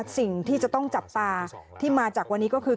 สิ่งที่จะต้องจับตาที่มาจากวันนี้ก็คือ